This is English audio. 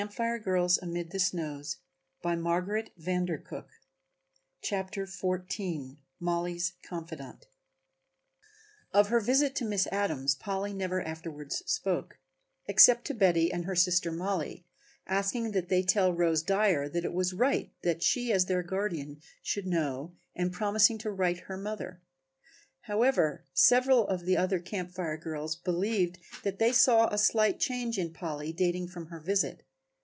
But, then, who can tell when they are both so young?" CHAPTER XIV Mollie's Confidant Of her visit to Miss Adams, Polly never afterwards spoke, except to Betty and her sister Mollie, asking that they tell Rose Dyer that it was right that she as their guardian should know and promising to write her mother; however, several of the other Camp Fire girls believed that they saw a slight change in Polly dating from her visit.